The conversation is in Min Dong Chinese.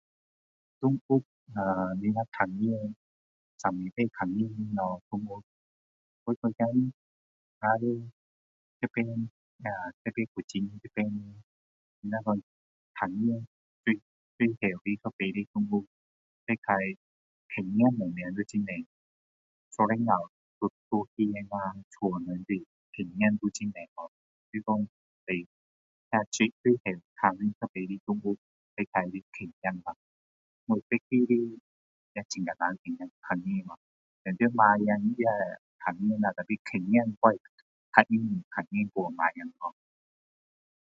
动物，若你那看见，最后一次看见的那动物。我那天 [unintelligible] 那天那在古晋那边你如说看见最，最后一次的动物，大概狗仔什么都很多。那时后候在路边，屋里狗仔就是很多[har]。就是说最，最后看见一次的动物大概是狗仔了。别的也很难给人看见了。当然猫仔也会看到啦。但tapi狗仔会比较容易看到过猫仔咯。